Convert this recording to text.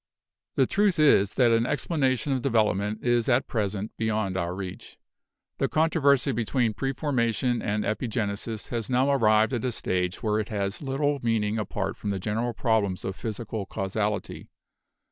"The truth is that an explanation of development is at present beyond our reach. The controversy between pre formation and epigenesis has now arrived at a stage where it has little meaning apart from the general prob lems of physical causality.